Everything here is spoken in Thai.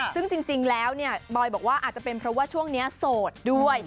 ซึ่งจริงแล้วเนี่ยบอยบอกว่าอาจจะเป็นเพราะว่าช่วงนี้โสดด้วย